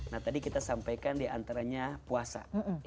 nah tadi kita sampaikan diantaranya puasa